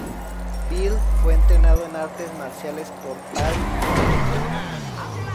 Bill fue entrenado en artes marciales por Pai Mei.